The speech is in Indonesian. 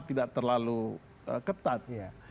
tidak terlalu ketat